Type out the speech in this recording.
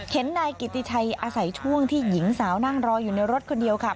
นายกิติชัยอาศัยช่วงที่หญิงสาวนั่งรออยู่ในรถคนเดียวค่ะ